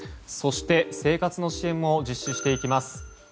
そして、生活の支援も実施していきます。